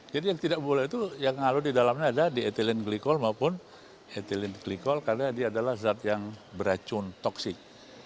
jadi yang tidak boleh itu yang ngalur di dalamnya ada di ethylene glycol maupun ethylene glycol karena dia adalah zat yang beracun toksik